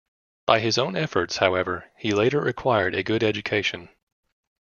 By his own efforts, however, he later acquired a good education.